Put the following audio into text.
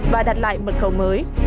và đặt lại mật khẩu mới